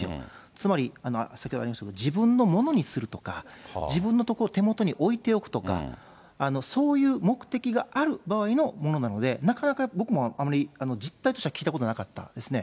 つまり先ほどありましたけど、自分のものにするとか、自分の所、手元に置いておくとか、そういう目的がある場合のものなので、なかなか僕も、あまり実態としては聞いたことなかったですね。